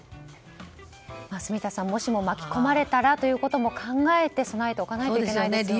住田さん、もしも巻き込まれたらということを考えて備えておかないといけないですね。